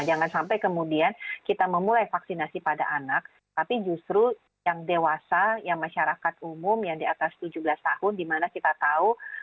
jangan sampai kemudian kita memulai vaksinasi pada anak tapi justru yang dewasa yang masyarakat umum yang di atas tujuh belas tahun dimana kita tahu